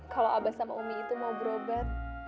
kalau abah sama umi itu mau berobat